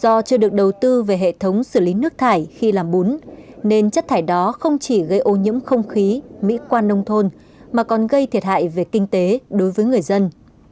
do chưa được đầu tư về hệ thống xử lý nước thải khi làm bún nên chất thải đó không chỉ gây ô nhiễm không khí mỹ quan nông thôn mà còn gây thiệt hại về kinh tế đối với người dân